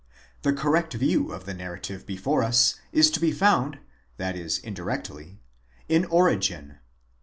The correct view of the narrative before us 15 to be found, that is indirectly, in Origen.